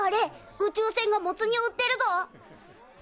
宇宙船がモツ煮を売ってるぞ！